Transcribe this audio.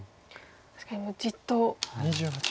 確かにもうじっと。